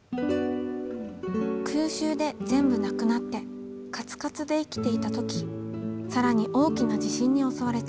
「空襲で全部なくなってカツカツで生きていた時更に大きな地震に襲われた。